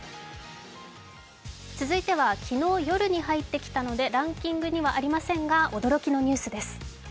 続いては昨日、夜に入ってきたのでランキングにはありませんが、驚きのニュースです。